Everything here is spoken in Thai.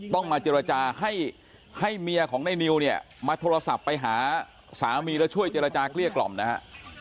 ต้องมาเจรจาให้เมียของในนิวเนี่ยมาโทรศัพท์ไปหาสามีแล้วช่วยเจรจาเกลี้ยกล่อมนะฮะ